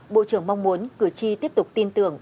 bộ trưởng mong muốn cử tri tiếp tục tin tưởng